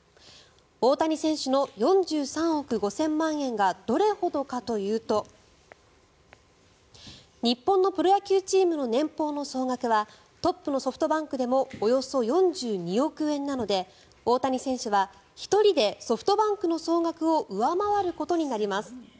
大谷選手の４３億５０００万円がどれほどかというと日本のプロ野球チームの年俸の総額はトップのソフトバンクでもおよそ４２億円なので大谷選手は１人でソフトバンクの総額を上回ることになります。